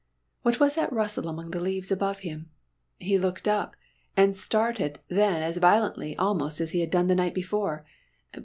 What was that rustle among the leaves above him? He looked up, and started then as violently almost as he had done the night before.